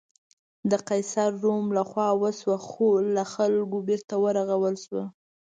د قیصر روم له خوا وسوه، خو له خلکو بېرته ورغول شوه.